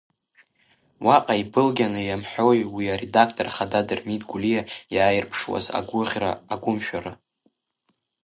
Уаҟа ибылгьаны иамҳәои уи аредактор хада Дырмит Гәлиа иааирԥшуаз агәыӷьра, агәымшәара.